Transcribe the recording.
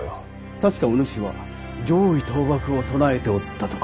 確かお主は攘夷倒幕を唱えておったとか。